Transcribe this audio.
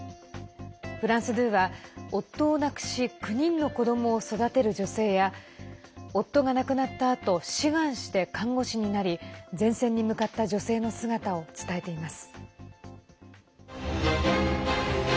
フランス２は夫を亡くし９人の子どもを育てる女性や夫が亡くなったあと志願して看護師になり前線に向かった女性の姿を伝えています。